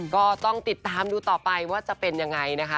ก็ต้องติดตามดูต่อไปว่าจะเป็นยังไงนะคะ